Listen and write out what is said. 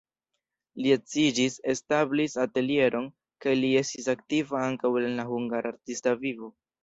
Li edziĝis, establis atelieron kaj li estis aktiva ankaŭ en la hungara artista vivo.